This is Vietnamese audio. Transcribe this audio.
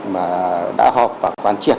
mà đã họp và quan triệt